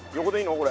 これ。